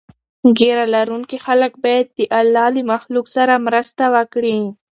ږیره لرونکي خلک باید د الله له مخلوق سره مرسته وکړي.